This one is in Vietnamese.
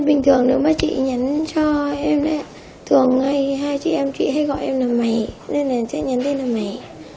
bình thường nếu mà chị nhắn cho em đấy thường hai chị em chị hay gọi em là mày nên là chị nhắn tin là mày